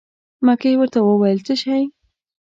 مکۍ ورته وویل: څه شی.